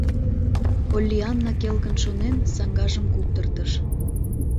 Поллианна келгын шонен саҥгажым куптыртыш.